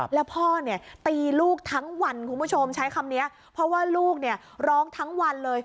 แล้วพ่อเนี่ยตีลูกทั้งวันคุณผู้ชมใช้คำนี้เพราะว่าลูกเนี่ยร้องทั้งวันเลย